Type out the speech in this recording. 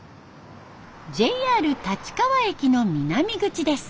ＪＲ立川駅の南口です。